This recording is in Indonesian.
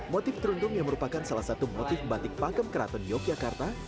motif terundung yang merupakan salah satu motif batik pakem keraton yogyakarta